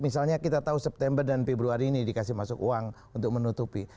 misalnya kita tahu september dan februari ini dikasih masuk uang untuk menutupi